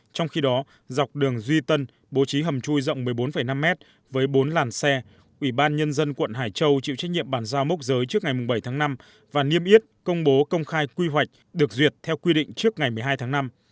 trong khi đó dọc đường duy tân bố trí hầm chui rộng một mươi bốn năm mét với bốn làn xe ủy ban nhân dân quận hải châu chịu trách nhiệm bàn giao mốc giới trước ngày bảy tháng năm và niêm yết công bố công khai quy hoạch được duyệt theo quy định trước ngày một mươi hai tháng năm